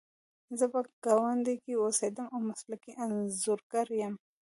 زه په ګاونډ کې اوسیدم او مسلکي انځورګره یم